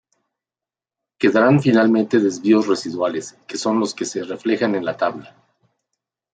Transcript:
Quedarán finalmente desvíos residuales, que son los que se reflejan en la tabla.